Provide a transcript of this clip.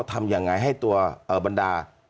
ทำยังไงให้ตัวบรรดา